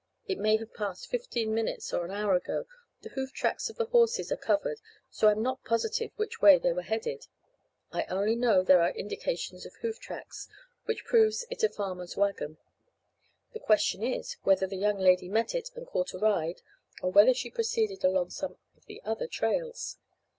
It may have passed fifteen minutes or an hour ago. The hoof tracks of the horses are covered, so I'm not positive which way they headed; I only know there are indications of hoof tracks, which proves it a farmer's wagon. The question is, whether the young lady met it, and caught a ride, or whether she proceeded along some of the other trails.